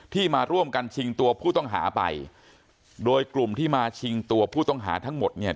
มาร่วมกันชิงตัวผู้ต้องหาไปโดยกลุ่มที่มาชิงตัวผู้ต้องหาทั้งหมดเนี่ย